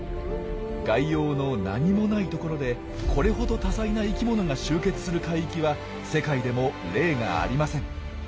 外洋の何もないところでこれほど多彩な生きものが集結する海域は世界でも例がありません。